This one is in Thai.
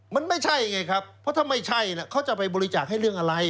มันไม่ใช่ไงครับเพราะถ้าไม่ใช่เขาจะไปบริจาคให้เรื่องอะไร